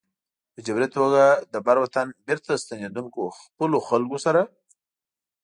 په جبري توګه د بر وطن بېرته ستنېدونکو خپلو خلکو سره.